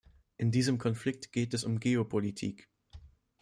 In diesem Konflikt geht es um Geopolitik.